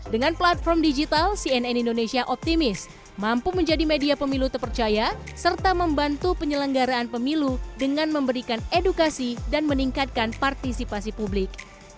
dengan platform digital cnn indonesia optimis mampu menjadi media pemilu terpercaya serta membantu penyelenggaraan pemilu dengan memberikan edukasi dan meningkatkan partisipasi publik